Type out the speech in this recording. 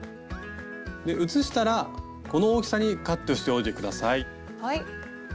写したらこの大きさにカットしておいて下さい。